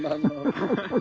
ハハハハ。